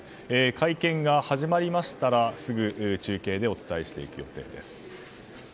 会見が始まりましたらすぐ中継でお伝えしていく予定です。